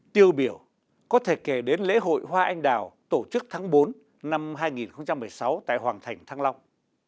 tiêu biểu có thể kể đến lễ hội hoa anh đào tổ chức tháng bốn năm hai nghìn một mươi sáu tại hoàng thành thăng long